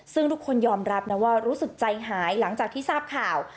ซึ่งทุกคนยอมรับนะว่ารู้สึกใจหายหลังจากที่ทราบข่าว